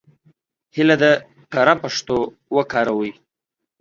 هیله ده کره پښتو وکاروئ.